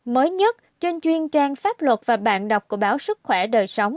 mới nhất trên chuyên trang pháp luật và bạn đọc của báo sức khỏe đời sống